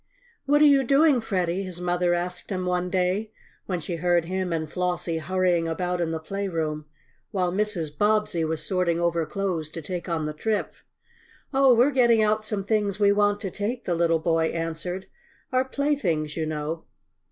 "What are you doing, Freddie?" his mother asked him one day, when she heard him and Flossie hurrying about in the playroom, while Mrs. Bobbsey was sorting over clothes to take on the trip. "Oh, we're getting out some things we want to take," the little boy answered. "Our playthings, you know."